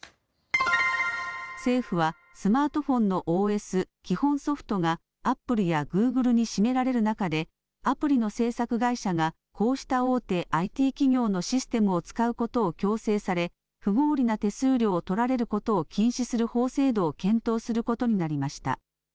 政府はスマートフォンのＯＳ・基本ソフトがアップルやグーグルに占められる中でアプリの制作会社がこうした大手ＩＴ企業のシステムを使うことを強制され不合理な手数料を取られることを禁止する法制度を検討することになりました。